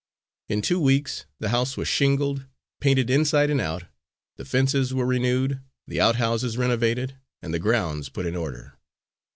In two weeks the house was shingled, painted inside and out, the fences were renewed, the outhouses renovated, and the grounds put in order.